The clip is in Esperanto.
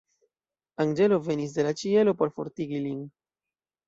Anĝelo venis de la ĉielo por fortigi lin.